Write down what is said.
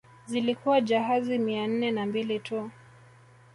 Zilikuwa jahazi mia nne na mbili tu